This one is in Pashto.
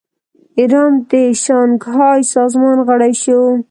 ایران د شانګهای سازمان غړی شو.